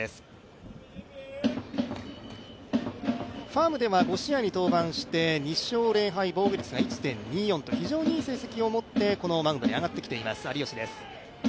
ファームでは５試合に登板して５勝０敗、防御率が１．２４と非常にいい成績を持ってこのマウンドに上がってきています、有吉です。